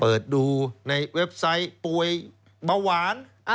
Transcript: เปิดดูในเว็บไซต์ป่วยเบาหวาน